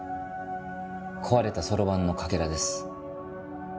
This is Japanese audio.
壊れたそろばんのかけらです。